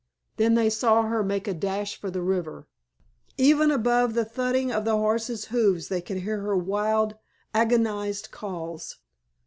Then they saw her make a dash for the river. Even above the thudding of the horses' hoofs they could hear her wild, agonized calls.